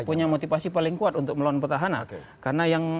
punya motivasi paling kuat untuk melawan petahana